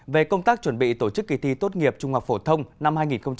về công tác chuẩn bị tổ chức kỳ thi tốt nghiệp trung học phổ thông năm hai nghìn hai mươi